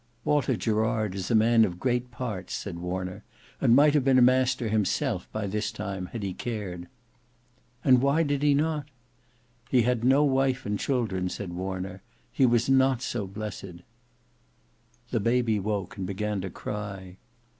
"Walter Gerard is a man of great parts," said Warner, "and might have been a master himself by this time had he cared." "And why did he not?" "He had no wife and children," said Warner; "he was not so blessed." The baby woke and began to cry.